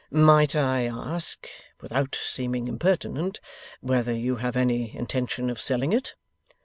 'Might I ask, without seeming impertinent, whether you have any intention of selling it?